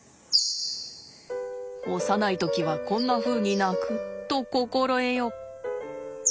幼い時はこんなふうに鳴くと心得よ。